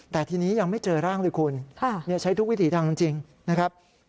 แต่ทีนี้ยังไม่เจอร่างเลยคุณใช้ทุกวิถีทางจริงนะครับ